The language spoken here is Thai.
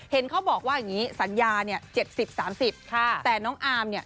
เห็นเขาบอกว่าอย่างนี้สัญญาเนี่ย๗๐๓๐แต่น้องอาร์มเนี่ย